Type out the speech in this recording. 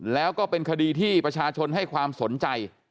แล้วก็เป็นคดีที่ประชาชนให้ความสนใจ